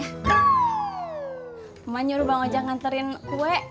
mama nyuruh bang ojak nganterin kue